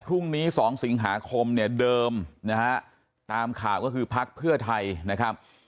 พรุ่งนี้๒สิงหาคมเนี่ยเดิมนะฮะตามข่าวก็คือพักเพื่อไทยนะครับ